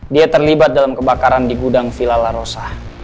dia terlibat dalam kebakaran di gudang vila larosa